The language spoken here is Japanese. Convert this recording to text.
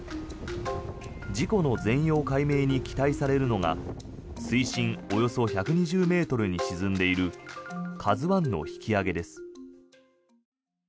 事故の全容解明に期待されるのが水深およそ１２０ｍに沈んでいる「ＫＡＺＵ１」の引き揚げです。